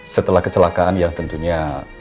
setelah kecelakaan yang tentunya